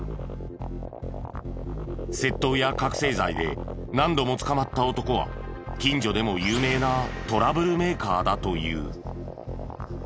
窃盗や覚醒剤で何度も捕まった男は近所でも有名なトラブルメーカーだという。